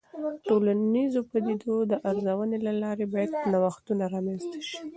د ټولنیزو پدیدو د ارزونې له لارې باید نوښتونه رامنځته سي.